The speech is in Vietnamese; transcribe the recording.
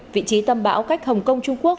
vị trí tầm bão cách hồng kông trung quốc